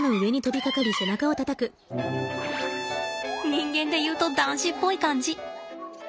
人間で言うと男子っぽい感じ。